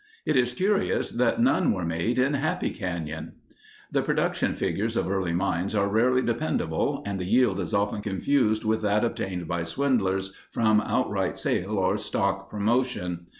It is curious that none were made in Happy Canyon. The production figures of early mines are rarely dependable and the yield is often confused with that obtained by swindlers from outright sale or stock promotion.